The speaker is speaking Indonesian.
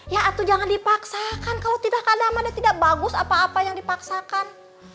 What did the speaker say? ya atuh jangan dipaksakan kalo tidak kadang ada tidak bagus apa apa yang dipaksakan